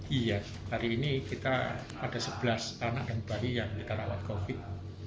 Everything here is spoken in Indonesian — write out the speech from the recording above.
iya hari ini kita ada sebelas anak dan bayi yang kita rawat covid